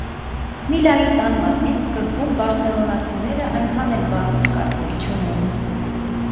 Միլայի տան մասին սկզբում բարսելոնացիները այնքան էլ բարձր կարծիք չունեին։